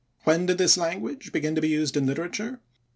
When did this language begin to be used in literature?